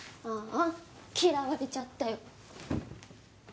ああ嫌われちゃったよ。